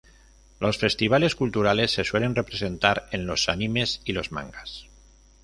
Los festivales culturales se suelen representar en los animes y los mangas.